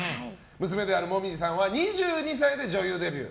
娘である紅葉さんは２２歳で女優デビュー。